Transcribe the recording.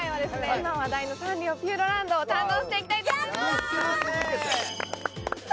今話題のサンリオピューロランドを堪能していきたいと思いますやった！